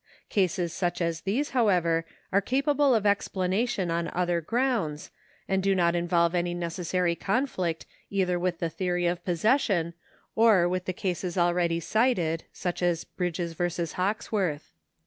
Cases such as these, however, are capable of explanation on other grounds, and do not involve any necessary conflict either with the theory of possession or with the cases already cited, such as Bridges v. Hawkes worth.